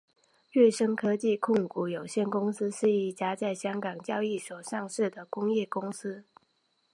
瑞声科技控股有限公司是一家在香港交易所上市的工业公司。